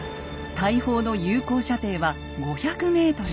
大砲の有効射程は５００ｍ。